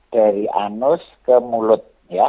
dari anus ke mulut